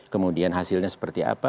kemudian hasilnya seperti apa